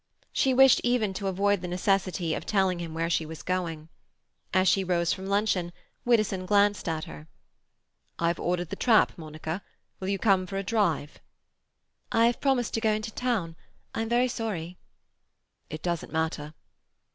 She wished even to avoid the necessity of telling him where she was going. As she rose from luncheon Widdowson glanced at her. "I've ordered the trap, Monica. Will you come for a drive?" "I have promised to go into the town. I'm very sorry." "It doesn't matter."